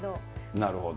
なるほど。